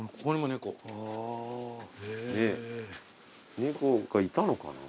猫がいたのかな？